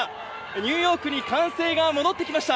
ニューヨークに歓声が戻ってきました。